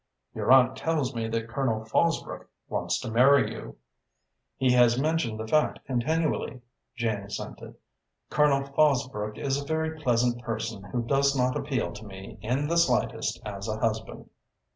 "Your aunt tells me that Colonel Fosbrook wants to marry you." "He has mentioned the fact continually," Jane assented. "Colonel Fosbrook is a very pleasant person who does not appeal to me in the slightest as a husband."